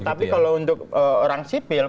tapi kalau untuk orang sipil